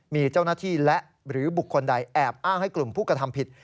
มีเจ้าหน้าที่และหรือบุคคลใดแอบอ้างให้กลุ่มผู้กระทำผิด